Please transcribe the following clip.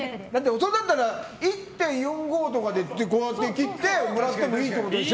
それだったら１．４５とかで切ってもらってもいいってことでしょ？